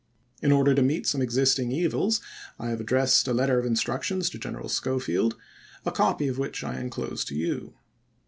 In order to meet some existing evils I have addressed a letter of instructions to General Schofield, a copy of which I inclose to you.